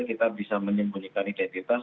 kita bisa menyembunyikan identitas